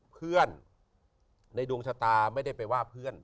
เพื่อนในดวงชะตาไม่ได้ไปว่าเพื่อน